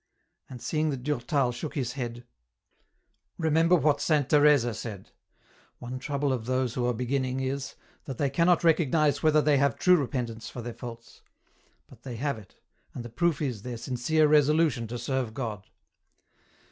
And, seeing that Durtal shook his head, " Remember what Saint Teresa said :' One trouble of those who are beginning is, that they cannot recognize whether they have true repentance for their faults ; but 62 EN ROUTE. they have it, and the proof is their sincere resolution to serve God.'